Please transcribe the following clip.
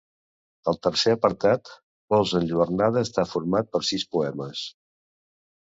El tercer apartat, Pols enlluernada, està format per sis poemes.